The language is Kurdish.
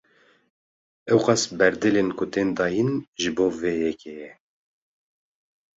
Ewqas berdêlên ku tên dayin, ji bo vê yekê ye